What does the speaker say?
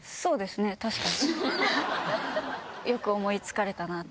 よく思い付かれたなって。